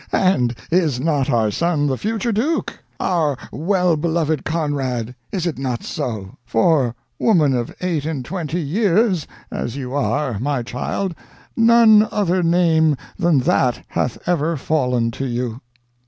And is not our son the future duke? Our well beloved Conrad, is it not so? for, woman of eight and twenty years as you are, my child, none other name than that hath ever fallen to you!